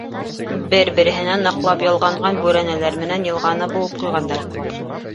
Бер-береһенә ныҡлап ялғанған бүрәнәләр менән йылғаны быуып ҡуйғандар.